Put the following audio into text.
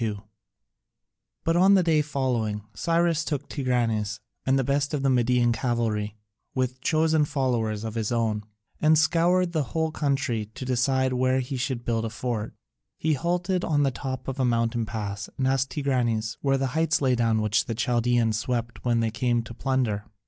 [C.2] But on the day following Cyrus took Tigranes and the best of the Median cavalry, with chosen followers of his own, and scoured the whole country to decide where he should build a fort. He halted on the top of a mountain pass and asked Tigranes where the heights lay down which the Chaldaeans swept when they came to plunder.